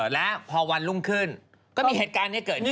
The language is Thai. และพอวันรุ่งขึ้นก็มีเหตุการณ์นี้เกิดขึ้น